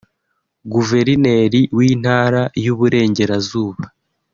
Guverineri w’Intara y’Uburengerazuba